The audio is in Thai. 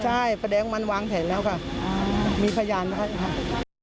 ใช่พระแดงมันวางแถนแล้วค่ะมีพยานนะครับ